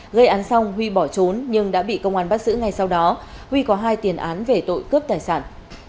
gây án xong huy bỏ trốn nhưng đã bị công an bắt giữ ngay sau đó huy có hai tiền án về tội cướp tài sản